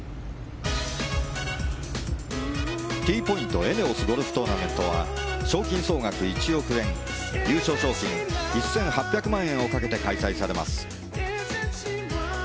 Ｔポイント×ＥＮＥＯＳゴルフトーナメントは賞金総額１億円優勝賞金１８００万円をかけて開催されます。